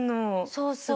そうそう。